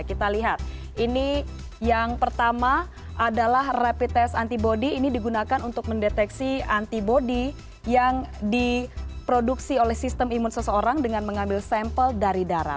kita lihat ini yang pertama adalah rapid test antibody ini digunakan untuk mendeteksi antibody yang diproduksi oleh sistem imun seseorang dengan mengambil sampel dari darah